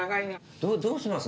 どうします？